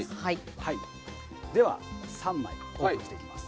では、３枚オープンしていきます。